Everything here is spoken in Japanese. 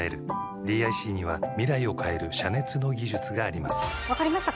ＤＩＣには未来を変える遮熱の技分かりましたか？